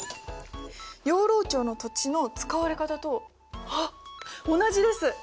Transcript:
養老町の土地の使われ方とあっ同じです！